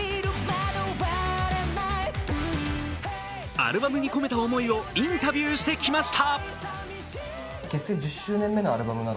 アルバムに込めた思いをインタビューしてきました。